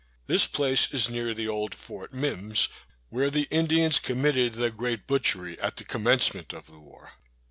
This place is near the old Fort Mimms, where the Indians committed the great butchery at the commencement of the war.